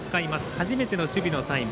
初めての守備のタイム。